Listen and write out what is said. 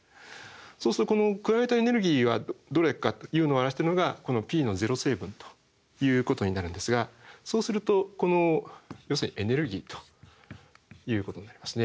そうするとこの加えられたエネルギーはどれかというのを表してるのがこのｐの０成分ということになるんですがそうするとこの要するにエネルギーということになりますね。